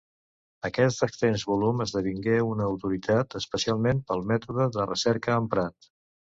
Aquest extens volum esdevingué una autoritat, especialment pel mètode de recerca emprat.